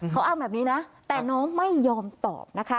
เขาอ้างแบบนี้นะแต่น้องไม่ยอมตอบนะคะ